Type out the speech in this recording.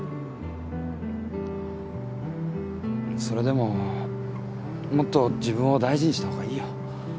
それでももっと自分を大事にした方がいいよ。